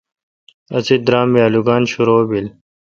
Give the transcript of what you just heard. اسی درام می آلوگان شرو بیل۔